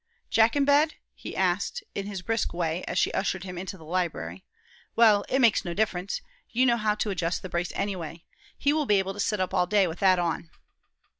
"Jack in bed?" he asked, in his brisk way, as she ushered him into the library. "Well, it makes no difference; you know how to adjust the brace anyway. He will be able to sit up all day with that on."